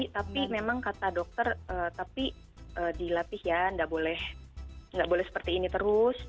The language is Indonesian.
tapi memang kata dokter tapi dilatih ya nggak boleh seperti ini terus